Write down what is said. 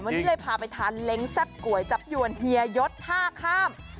วันนี้เลยพาไปทานเล้งแซ่บก๋วยจับยวนเฮียยศท่าข้าม